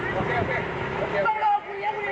แหงโหคุณทางเลคุย